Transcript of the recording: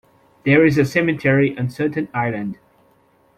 There is a cemetery on Sutton Island.